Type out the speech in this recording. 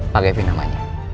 pak kevin namanya